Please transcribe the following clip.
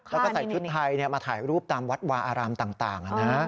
แล้วก็ใส่ชุดไทยมาถ่ายรูปตามวัดวาอารามต่าง